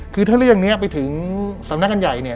คือถ้าเรื่องนี้ไปถึงสำนักงานใหญ่เนี่ย